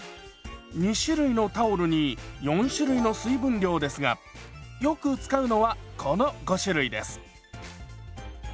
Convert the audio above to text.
２種類のタオルに４種類の水分量ですがよく使うのはこの５種類です。